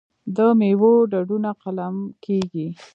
د میوو ډډونه قلم کیږي.